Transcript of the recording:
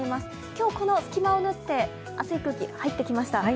今日、この隙間を縫って熱い空気が入ってきました。